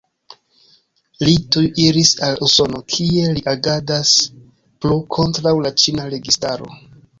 Li tuj iris al Usono, kie li agadas plu kontraŭ la ĉina registaro.